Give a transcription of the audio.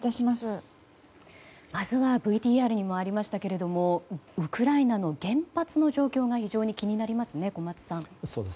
まずはＶＴＲにもありましたがウクライナの原発の状況が非常に気になりますね小松さん。